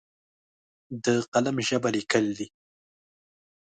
د قلم ژبه لیکل دي!